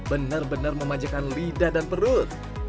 benar benar memanjakan lidah dan perut